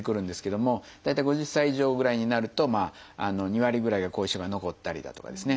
大体５０歳以上ぐらいになると２割ぐらいが後遺症が残ったりだとかですね